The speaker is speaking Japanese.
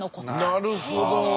なるほど。